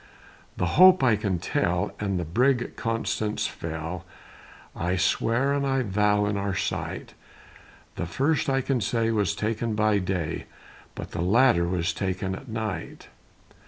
The Hope, I can tell, And the brig Constance fell, I swear, and I veow, in our sight; The first I can say, Was taken by day, But the latter was taken at night.